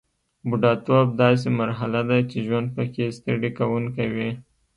بوډاتوب داسې مرحله ده چې ژوند پکې ستړي کوونکی وي